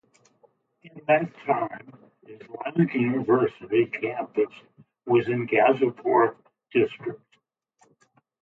In that time Islamic University campus was in Gazipur district.